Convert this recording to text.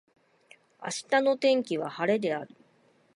明日の天気は晴れである。